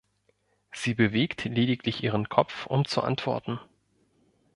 Sie bewegt lediglich ihren Kopf, um zu antworten.